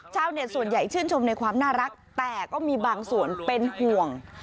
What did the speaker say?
ชาวเน็ตส่วนใหญ่ชื่นชมในความน่ารักแต่ก็มีบางส่วนเป็นห่วง